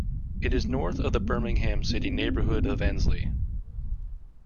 It is north of the Birmingham city neighborhood of Ensley.